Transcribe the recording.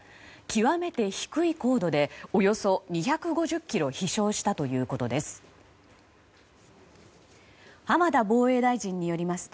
極めて低い高度でおよそ２５０ｋｍ飛翔したということです。